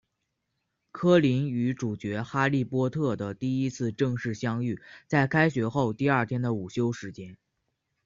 柯林与主角哈利波特的第一次正式相遇在开学后第二天的午休时间。